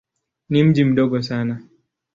Ni mji mdogo sana.